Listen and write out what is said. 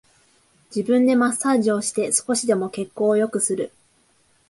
自分でマッサージをして少しでも血行を良くする